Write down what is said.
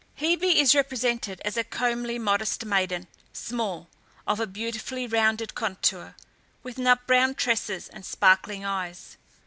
Hebe is represented as a comely, modest maiden, small, of a beautifully rounded contour, with nut brown tresses and sparkling eyes.